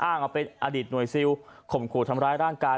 อ้างเอาเป็นอดีตหน่วยซิลข่มครูทำร้ายร่างกาย